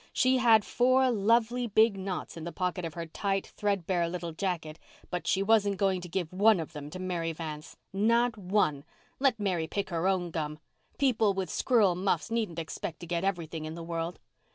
She had four lovely big knots in the pocket of her tight, thread bare little jacket, but she wasn't going to give one of them to Mary Vance—not one Let Mary pick her own gum! People with squirrel muffs needn't expect to get everything in the world.